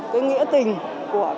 cái nghĩa tình của các tổ